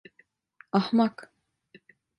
Ahmak!